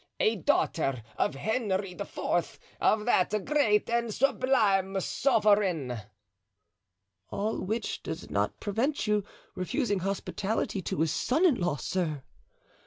A daughter of Henry IV., of that great, that sublime sovereign——" "All which does not prevent you refusing hospitality to his son in law, sir!